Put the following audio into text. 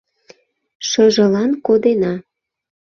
Шыжылан кодена.